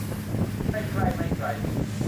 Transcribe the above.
ไม่ใกล้ไม่ไกล